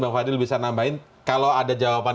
bang fadil bisa nambahin kalau ada jawaban